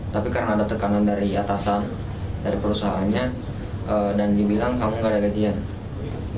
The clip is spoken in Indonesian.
tapi karena ada tekanan dari atasan dari perusahaannya dan dibilang kamu gak ada gajian